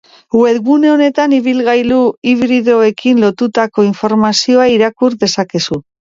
Webgune honetan ibilgailu hibridoekin lotutatutako informazioa irakur dezakezu.